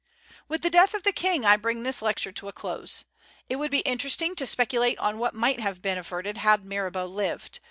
With the death of the King, I bring this lecture to a close. It would be interesting to speculate on what might have been averted, had Mirabeau lived.